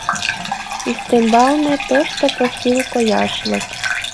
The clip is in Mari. Ӱстембалне — тошто посылко яшлык.